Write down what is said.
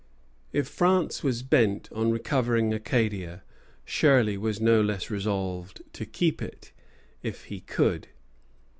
If France was bent on recovering Acadia, Shirley was no less resolved to keep it, if he could.